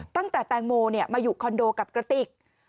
ตั้งแต่แตงโมมาอยู่คอนโดกับกระติก